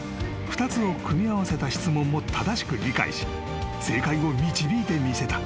［２つを組み合わせた質問も正しく理解し正解を導いてみせた。